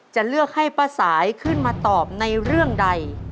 จะเลือกให้ป้าสายขึ้นมาตอบในเรื่องใด